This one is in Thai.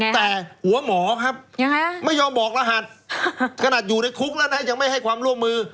แต่หัวหมอครับไม่ยอมบอกรหัสขนาดอยู่ในคุกแล้วนะยังไม่ให้ความร่วมมือ